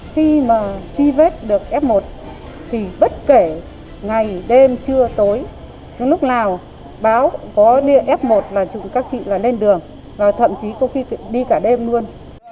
khi mà truy vết được f một thì bất kể ngày đêm trưa tối lúc nào báo có điện f một là các chị là lên đường và thậm chí có khi đi cả đêm luôn